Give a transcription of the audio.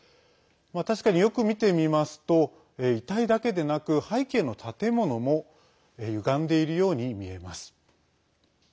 確かに、よく見てみますと遺体だけでなく背景の建物もゆがんでいるように見えます。